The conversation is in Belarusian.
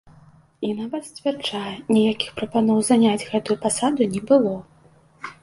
І нават, сцвярджае, ніякіх прапаноў заняць гэтую пасаду не было.